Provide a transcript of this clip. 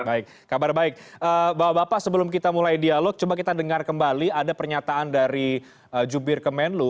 baik kabar baik bapak bapak sebelum kita mulai dialog coba kita dengar kembali ada pernyataan dari jubir kemenlu